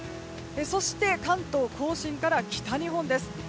そして関東・甲信から北日本です。